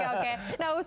oh yaudah oke oke oke